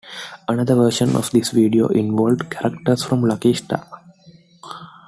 Another version of this video involved characters from Lucky Star.